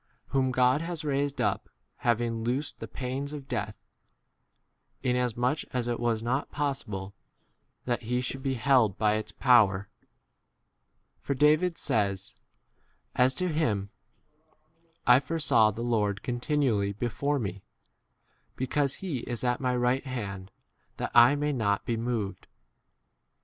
Whom God has raised up, having loosed the pains of death, inasmuch as it was not possible that he should be 25 held by its power ; for David says as to him, I foresaw the Lord continually before me, because he is at my right hand that I may 20 not be moved.